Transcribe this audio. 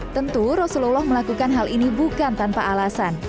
tentu rasulullah melakukan hal ini bukan tanpa alasan